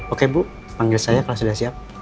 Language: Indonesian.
oke bu panggil saya kalau sudah siap